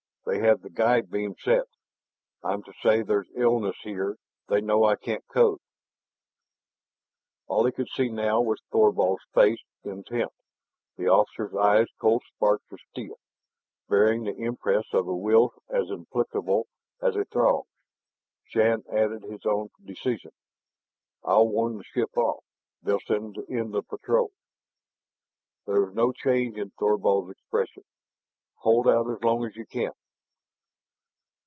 They have the guide beam set. I'm to say there's illness here; they know I can't code." All he could see now was Thorvald's face, intent, the officer's eyes cold sparks of steel, bearing the impress of a will as implacable as a Throg's. Shann added his own decision. "I'll warn the ship off; they'll send in the patrol." There was no change in Thorvald's expression. "Hold out as long as you can!"